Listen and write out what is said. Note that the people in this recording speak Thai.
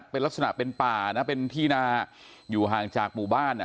เป็นลักษณะเป็นป่านะเป็นที่นาอยู่ห่างจากหมู่บ้าน